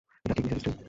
এটা ঠিক, মিসেস স্ত্রী।